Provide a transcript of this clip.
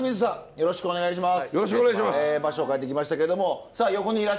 よろしくお願いします。